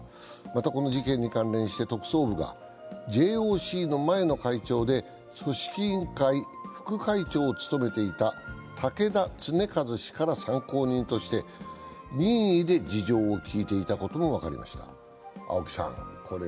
また、この事件に関連して特捜部はＪＯＣの前の会長で組織委員会副会長を務めていた竹田恒和氏から参考人として任意で事情を聴いていたことも分かりました。